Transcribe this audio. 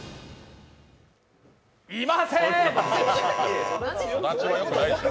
いません！